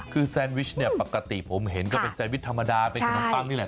คือแซนวิชเนี่ยปกติผมเห็นก็เป็นแซนวิชธรรมดาเป็นขนมปังนี่แหละ